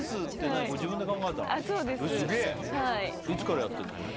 いつからやってんの？